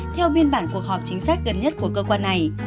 theo biên bản cuộc họp chính sách gần nhất của cơ quan này